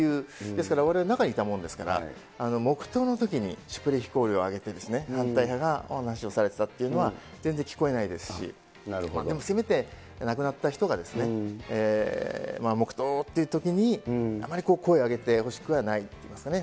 ですから、われわれ中にいたものですから、黙とうのときに、シュプレヒコールを上げて、反対派がお話をされたというのは、全然聞こえないですし、せめて亡くなった人が、黙とうっていうときに、あまりこう、声上げてほしくはないといいますかね。